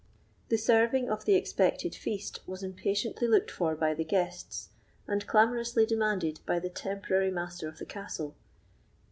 The serving of the expected feast was impatiently looked for by the guests, and clamorously demanded by the temporary master of the castle.